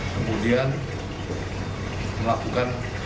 kemudian melakukan penembakan